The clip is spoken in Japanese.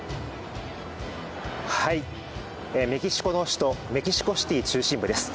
メキシコの首都、メキシコシティー中心部です。